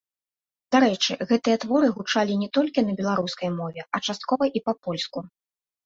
Дарэчы, гэтыя творы гучалі не толькі на беларускай мове, а часткова і па-польску.